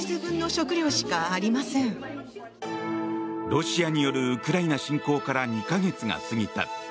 ロシアによるウクライナ侵攻から２か月が過ぎた。